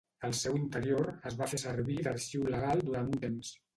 El seu interior es va fer servir d'arxiu legal durant un temps.